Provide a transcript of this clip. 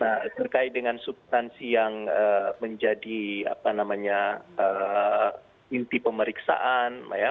nah terkait dengan substansi yang menjadi apa namanya inti pemeriksaan ya